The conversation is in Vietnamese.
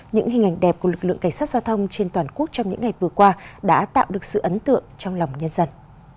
những hình ảnh đẹp của lực lượng cảnh sát giao thông trên toàn quốc trong những ngày vừa qua đã tạo được sự ấn tượng trong lòng nhân dân